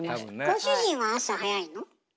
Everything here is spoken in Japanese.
ご主人は朝早いの？